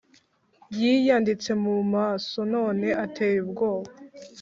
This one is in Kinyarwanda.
Yiyanditse mu maso none ateye ubwoba